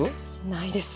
ないです。